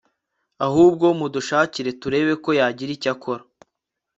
ahubwo mudushakire turebe ko yagira icyo akora